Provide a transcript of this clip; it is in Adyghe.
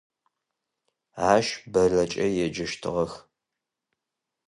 Ащ Бэллэкӏэ еджэщтыгъэх.